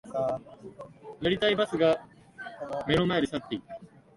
乗りたいバスが目の前で去っていく